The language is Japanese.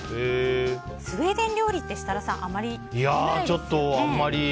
スウェーデン料理って設楽さんあまり食べないですよね。